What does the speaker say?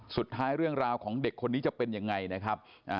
สุดท้ายเรื่องราวของเด็กคนนี้จะเป็นอย่างไรนะครับ